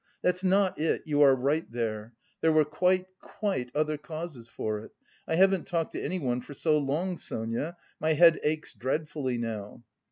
That's not it, you are right there. There were quite, quite other causes for it! I haven't talked to anyone for so long, Sonia.... My head aches dreadfully now."